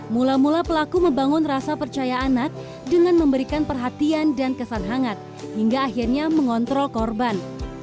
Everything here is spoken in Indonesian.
mula mula pelaku membangun rasa percaya anak dengan memberikan perhatian dan kesan hangat hingga akhirnya mengontrol korban